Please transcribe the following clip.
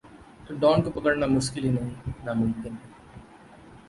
...तो डॉन को पकड़ना मुश्किल नहीं, मुमकिन है